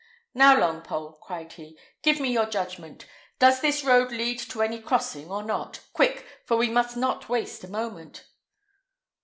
"Now, Longpole," cried he, "give me your judgment: does this road lead to any crossing or not? Quick! for we must not waste a moment."